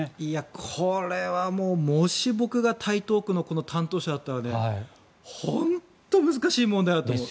これはもう、もし僕が台東区の担当者だったら本当に難しい問題だと思う。